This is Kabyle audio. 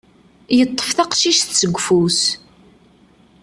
Yeṭṭef taqcict seg ufus.